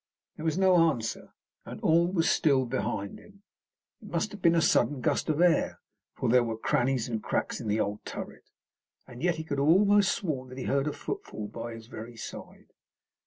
There was no answer, and all was still behind him. It must have been a sudden gust of air, for there were crannies and cracks in the old turret. And yet he could almost have sworn that he heard a footfall by his very side.